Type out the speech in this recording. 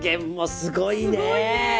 すごいね！